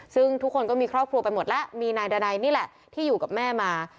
ซึ่งทุกคนก็มีครอบครัวไปหมดแล้วมีนายดานัยนี่แหละที่อยู่กับแม่มา